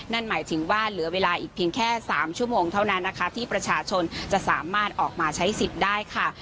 นั่นหมายถึงว่าเหลือเวลาอีกเพียงแค่๓ชั่วโมงเท่านั้นนะคะที่ประชาชนจะสามารถออกมาใช้สิทธิ์ได้ค่ะ